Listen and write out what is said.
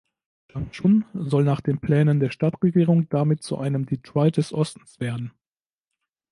Changchun soll nach den Plänen der Stadtregierung damit zu einem "Detroit des Ostens" werden.